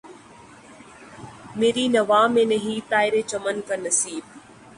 مری نوا میں نہیں طائر چمن کا نصیب